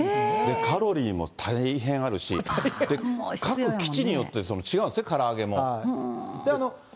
カロリーも大変あるし、で、各基地によって違うんですね、空上げも。